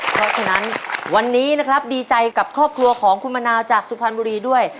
เพราะฉะนั้นวันนี้นะครับดีใจกับครอบครัวของคุณมะนาวจากสุพรรณบุรีด้วย